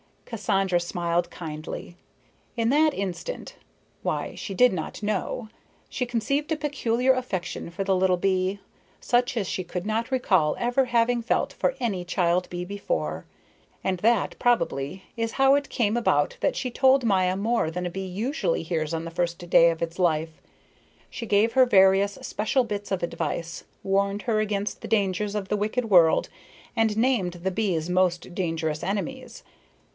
Cassandra smiled kindly. In that instant why, she did not know she conceived a peculiar affection for the little bee, such as she could not recall ever having felt for any child bee before. And that, probably, is how it came about that she told Maya more than a bee usually hears on the first day of its life. She gave her various special bits of advice, warned her against the dangers of the wicked world, and named the bees' most dangerous enemies.